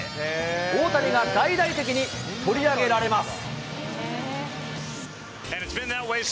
大谷が大々的に取り上げられます。